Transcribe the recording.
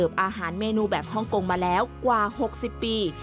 อาหารเมนูแบบฮ่องกงมาแล้วกว่า๖๐ปี